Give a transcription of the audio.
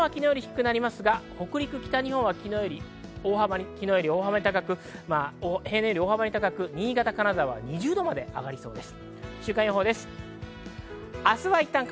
西日本は昨日より低くなりますが、北陸、北日本は昨日より大幅に高く、平年より大幅に高く、新潟や金沢などは２０度くらいまで上がりそうです。